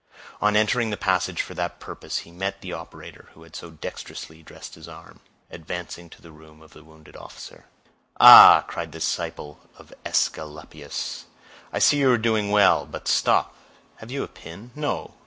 On entering the passage for that purpose, he met the operator who had so dexterously dressed his arm, advancing to the room of the wounded officer. "Ah!" cried the disciple of Aesculapius, "I see you are doing well; but stop; have you a pin? No!